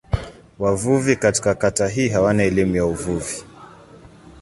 Wavuvi katika kata hii hawana elimu ya uvuvi.